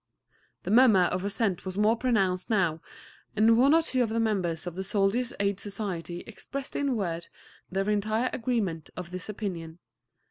The murmur of assent was more pronounced now, and one or two of the members of the Soldiers' Aid Society expressed in word their entire agreement of this opinion.